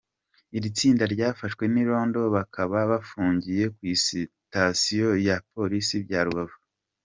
Iri tsinda ryafashwe n’irondo bakaba bafungiye ku sitasiyo ya Polisi bya Rubavu.